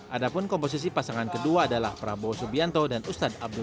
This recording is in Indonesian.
adapun komposisi pasangan kedua adalah prabowo subianto dan ketua majelis suro pks salim segaf al jufri